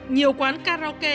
nhiều quán karaoke